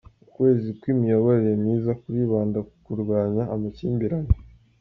Ukwezi kw’imiyoborere myiza kuribanda ku kurwanya amakimbirane